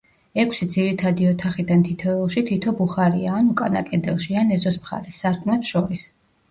ექვსი ძირითადი ოთახიდან თითოეულში, თითო ბუხარია, ან უკანა კედელში, ან ეზოს მხარეს, სარკმლებს შორის.